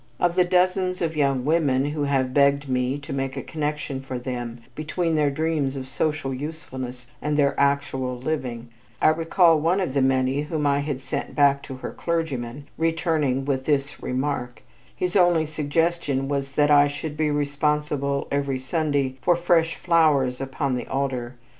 Of the dozens of young women who have begged me to make a connection for them between their dreams of social usefulness and their actual living, I recall one of the many whom I had sent back to her clergyman, returning with this remark: "His only suggestion was that I should be responsible every Sunday for fresh flowers upon the altar.